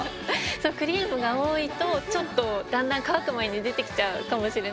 クリームが多いとちょっとだんだん乾く前に出てきちゃうかもしれないです。